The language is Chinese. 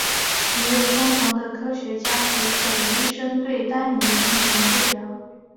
一位疯狂的科学家鲁本医生对丹尼进行治疗。